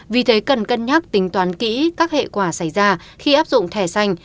vì thế cần cân nhắc tính toán kỹ các hệ quả xảy ra khi áp dụng thẻ xanh